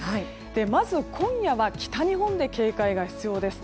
まず、今夜は北日本で警戒が必要です。